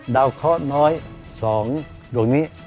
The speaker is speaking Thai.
ดาวเคราะห์น้อย๒ตรงนี้